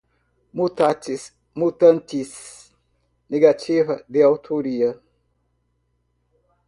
mutatis mutandis, negativa de autoria